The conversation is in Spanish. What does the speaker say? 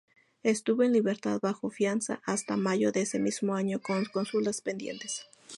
Estuvo en libertad bajo fianza hasta mayo de ese mismo año, con consultas pendientes.